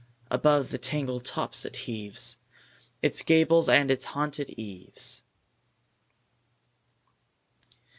Above the tangled tops it heaves Its gables and its haunted eaves.